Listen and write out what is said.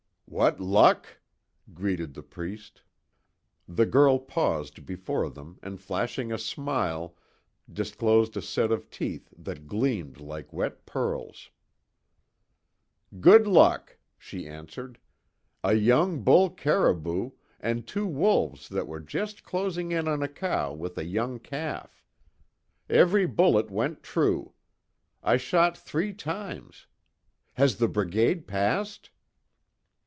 "What luck?" greeted the priest. The girl paused before them and flashing a smile, disclosed a set of teeth that gleamed like wet pearls: "Good luck," she answered, "A young bull caribou, and two wolves that were just closing in on a cow with a young calf. Every bullet went true. I shot three times. Has the brigade passed?"